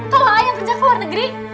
kalau yang kerja ke luar negeri